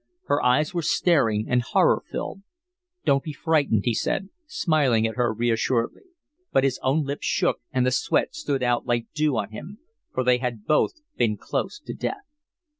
Her eyes were staring and horror filled. "Don't be frightened," said he, smiling at her reassuringly; but his own lips shook and the sweat stood out like dew on him; for they had both been close to death.